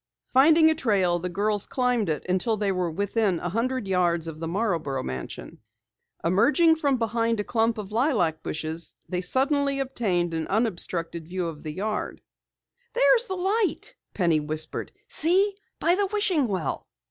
Finding a trail, the girls climbed it until they were within a hundred yards of the Marborough mansion. Emerging from behind a clump of lilac bushes they suddenly obtained an unobstructed view of the yard. "There's the light!" Penny whispered. "See! By the wishing well!"